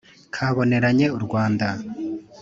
kaboneranye u rwanda